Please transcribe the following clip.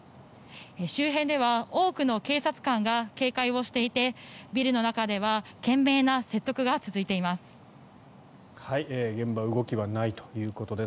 周辺では多くの警察官が警戒をしていてビルの中では懸命な説得が続いています。